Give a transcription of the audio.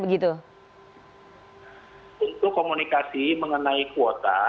untuk komunikasi mengenai kuota